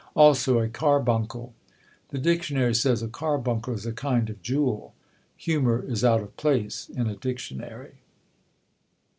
Also a carbuncle. The dictionary says a carbuncle is a kind of jewel. Humour is out of place in a dictionary."